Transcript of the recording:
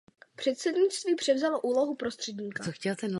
Předsednictví převzalo úlohu prostředníka.